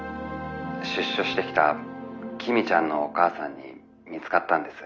出所してきた公ちゃんのお母さんに見つかったんです」。